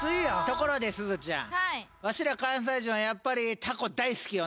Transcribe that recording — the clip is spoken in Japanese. ところですずちゃんわしら関西人はやっぱりたこ大好きよな。